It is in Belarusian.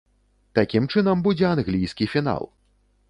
Такім чынам, будзе англійскі фінал!